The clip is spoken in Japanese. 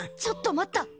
ちょっと待った。